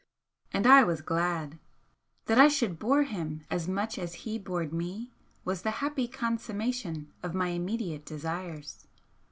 And I was glad. That I should bore him as much as he bored me was the happy consummation of my immediate desires.